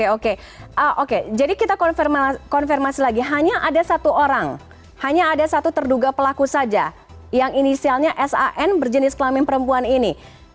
oke oke jadi kita konfirmasi lagi hanya ada satu orang hanya ada satu terduga pelaku saja yang inisialnya san berjenis kelamin perempuan ini